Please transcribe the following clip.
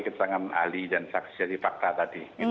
keterangan ahli dan saksi jadi fakta tadi